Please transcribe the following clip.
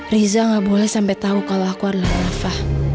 riza gak boleh sampai tahu kalau aku adalah rafa